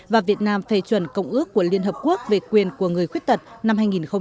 và việt nam phê chuẩn công ước của liên hợp quốc về quyền của người khuyết tật năm hai nghìn một mươi chín